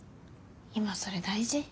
今それ大事？